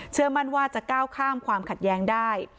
มั่นว่าจะก้าวข้ามความขัดแย้งได้